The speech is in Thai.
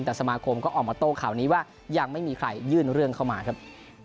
แต่สมาคมก็ออกมาโต้ข่าวนี้ว่ายังไม่มีใครยื่นเรื่องเข้ามาครับ